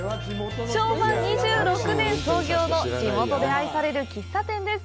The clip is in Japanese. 昭和２６年創業の地元で愛される喫茶店です。